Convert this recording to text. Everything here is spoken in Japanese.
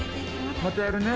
またやるね。